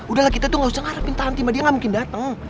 udahlah kita tuh gak usah ngarepin tanti sama dia gak mungkin dateng